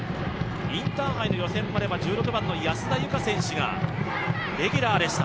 インターハイの予選までは１６番の安田優花選手がレギュラーでした。